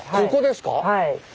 ここですか？